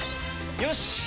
よし！